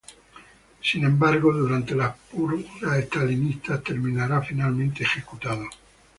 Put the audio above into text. Sin embargo, durante las purgas estalinistas terminará finalmente ejecutado.